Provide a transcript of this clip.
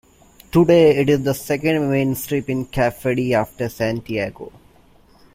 Today, it is the second mainstream in Cape Verde after Santiago.